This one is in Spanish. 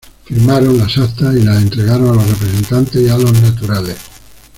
Firmaron las actas y las entregaron a los representantes y a los naturales.